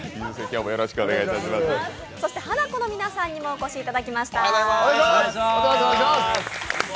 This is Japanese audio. そして、ハナコの皆さんにもお越しいただきました。